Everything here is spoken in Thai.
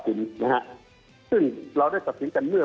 เขาได้ร้องสารโลกกันดีกว่าหมดแล้ว